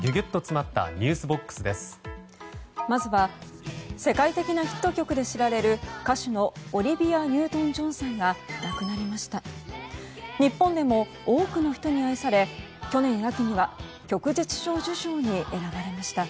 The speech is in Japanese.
まずは世界的なヒット曲で知られる歌手のオリビア・ニュートン・ジョンさんが亡くなりました。